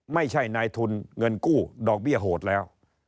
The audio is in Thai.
ไม่ใช่นายทุนเงินกู้ดอกเบี้ยโหดแล้ว